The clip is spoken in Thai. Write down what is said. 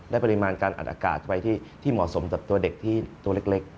ได้ปริมาณการอัดอากาศไปที่เหมาะสมจากตัวเด็กที่ตัวเล็กนะครับ